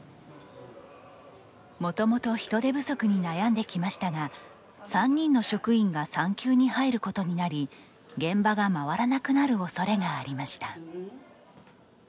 もともと人手不足に悩んできましたが３人の職員が産休に入ることになり現場が回らなくなるおそれがありました。